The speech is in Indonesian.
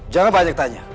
jangan banyak tanya